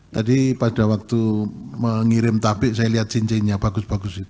tadi pada waktu mengirim tabik saya lihat cincinnya bagus bagus